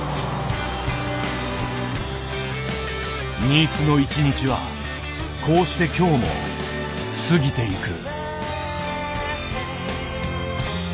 新津の一日はこうして今日も過ぎていく。